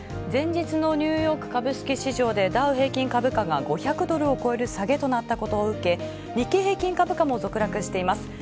前日のニューヨーク株式市場でダウ平均株価が５００ドルを超える下げとなったことを受け日経平均株価も続落しています。